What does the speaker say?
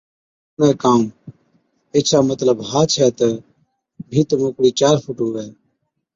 چَئُوڻَي ڪام، ايڇا مطلب ها ڇَي تہ ڀِيت موڪڙِي چار فُٽ هُوَي۔